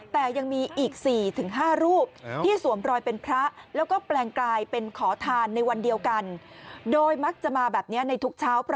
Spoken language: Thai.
แต่ยังมีอีก๔๕รูปที่สวมรอยเป็นพระ